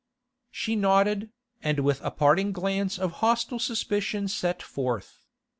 She nodded, and with a parting glance of hostile suspicion set forth.